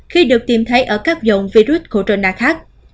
khi được tìm thấy ở các dòng virus corona khác